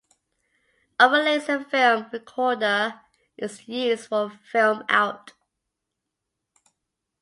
Arrilaser film recorder is used for film-out.